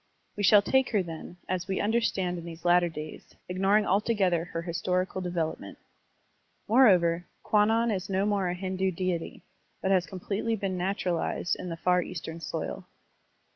We shall take her, then, as we understand her in these latter days, ignoring altogether her historical develop ment. Moreover, Kwannon is no more a Hindu deity, but has completely been naturalized in the Far Eastern soil.